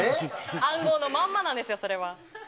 暗号のまんまなんですよ。